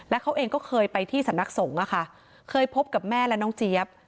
และเขาเองก็เคยไปที่สำนักสงฆ์อะค่ะเคยพบกับแม่และน้องเจี๊ยบ